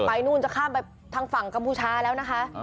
นู่นจะข้ามไปทางฝั่งกัมพูชาแล้วนะคะ